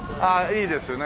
いいですね。